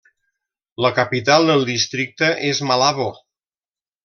La capital del districte és Malabo.